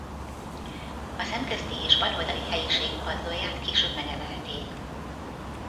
A szemközti és bal oldali helyiség padlóját később megemelték.